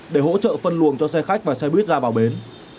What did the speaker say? để hỗ trợ phân luồng cho xe khách và xe buýt ra vào bến